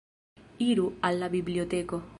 Iru al la biblioteko.